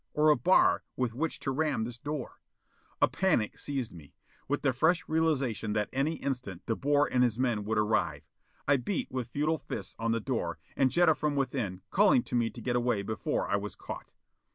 Or a bar with which to ram this door A panic seized me, with the fresh realization that any instant De Boer and his men would arrive. I beat with futile fists on the door, and Jetta from within, calling to me to get away before I was caught.